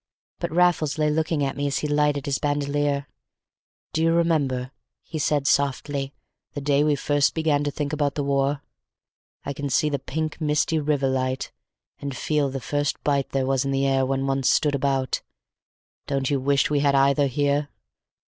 But Raffles lay looking at me as he lightened his bandolier. "Do you remember," he said softly, "the day we first began to think about the war? I can see the pink, misty river light, and feel the first bite there was in the air when one stood about; don't you wish we had either here!